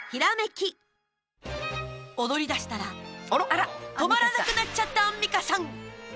踊り出したら止まらなくなっちゃったアンミカさん。